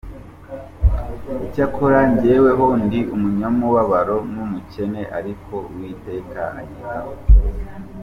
Icyakora jyeweho ndi umunyamubabaro n’umukene, Ariko Uwiteka anyitaho.